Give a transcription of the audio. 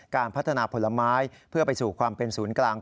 การพัฒนาผลไม้เพื่อไปสู่ความเป็นศูนย์กลาง